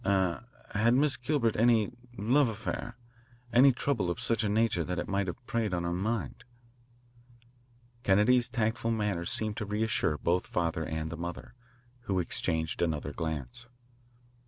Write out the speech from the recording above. Er r, had Miss Gilbert any love affair, any trouble of such a nature that it might have preyed on her mind?" Kennedy's tactful manner seemed to reassure both the father and the mother, who exchanged another glance.